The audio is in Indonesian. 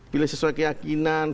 pilih sesuai keyakinan